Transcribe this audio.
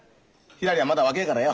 ひらりはまだ若えからよ。